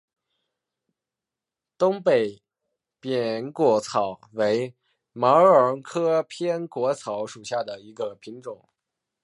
东北扁果草为毛茛科扁果草属下的一个种。